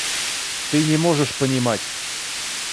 Ты не можешь понимать.